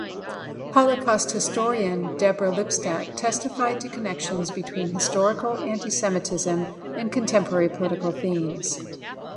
Holocaust historian Deborah Lipstadt testified to connections between historical antisemitism and contemporary political themes.